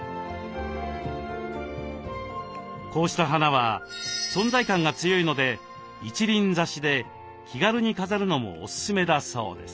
こうした花は存在感が強いので一輪挿しで気軽に飾るのもおすすめだそうです。